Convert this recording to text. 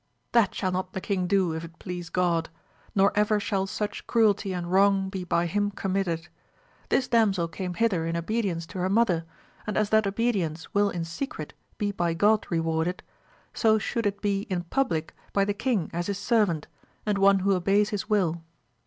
That shall not the long do if it please God ! nor ever shall such cruelty and wrong be by him committed. This damsel came hither in obedience to her mother, and as that obedience will in secret be by God rewarded, so should it be in public by the king as his servant, and one who obeys his will.